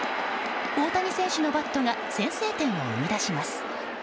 大谷選手のバットが先制点を生み出します。